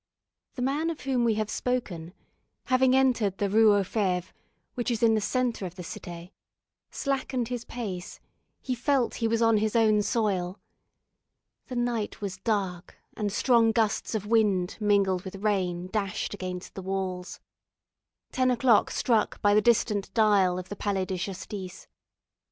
The man of whom we have spoken, having entered the Rue aux Fêves, which is in the centre of the Cité, slackened his pace: he felt he was on his own soil. The night was dark, and strong gusts of wind, mingled with rain, dashed against the walls. Ten o'clock struck by the distant dial of the Palais de Justice.